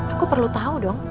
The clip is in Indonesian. aku perlu tau dong